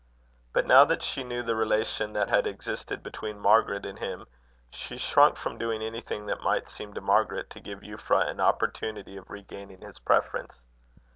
But now that she knew the relation that had existed between Margaret and him, she shrunk from doing anything that might seem to Margaret to give Euphra an opportunity of regaining his preference.